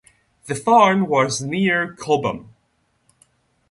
The farm was near Chobham.